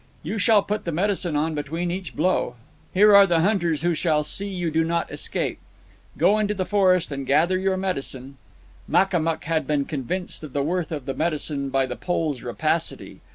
"You shall put the medicine on between each blow. Here are the hunters who shall see you do not escape. Go into the forest and gather your medicine." Makamuk had been convinced of the worth of the medicine by the Pole's rapacity.